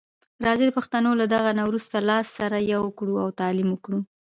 راځي پښتنو له دغه نه وروسته لاس سره یو کړو او تعلیم وکړو.